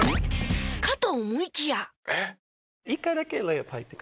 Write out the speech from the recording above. かと思いきや。